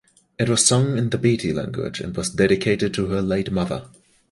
It was sung in the Beti language and was dedicated to her late mother.